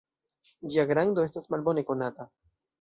Ĝia grando estas malbone konata.